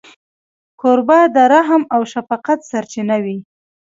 کوربه د رحم او شفقت سرچینه وي.